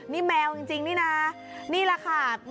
นี่แมวจริงนี่นะนี่แหละค่ะ